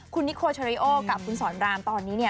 คุณนิโคลตรีโอและคุณสอนรามตอนนี้